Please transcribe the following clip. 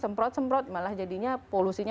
semprot semprot malah jadinya polusinya